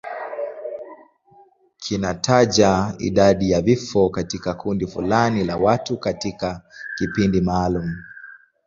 Kinataja idadi ya vifo katika kundi fulani la watu katika kipindi maalum.